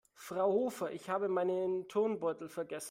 Frau Hofer, ich habe meinen Turnbeutel vergessen.